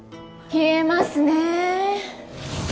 冷えますね。